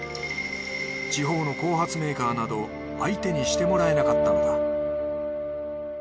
地方の後発メーカーなど相手にしてもらえなかったのだ。